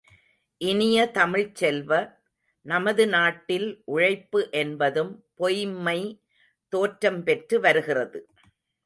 இனிய தமிழ்ச் செல்வ, நமது நாட்டில் உழைப்பு என்பதும் பொய்ம்மை தோற்றம் பெற்று வருகிறது.